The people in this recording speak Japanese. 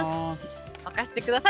任せてください。